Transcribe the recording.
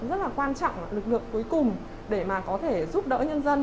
rất là quan trọng lực lượng cuối cùng để có thể giúp đỡ nhân dân